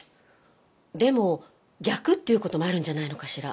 でも逆っていう事もあるんじゃないのかしら？